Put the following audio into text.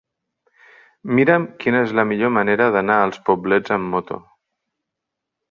Mira'm quina és la millor manera d'anar als Poblets amb moto.